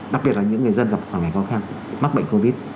đặc biệt là những người dân gặp khoảng ngày khó khăn mắc bệnh covid